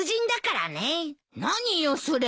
何よそれ。